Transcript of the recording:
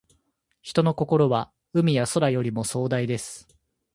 人の心は、海や空よりも壮大です。